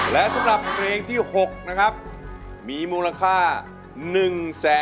โลกใจโลกใจโลกใจโลกใจโลกใจ